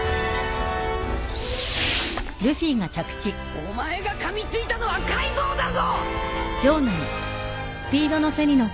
お前がかみついたのはカイドウだぞ！！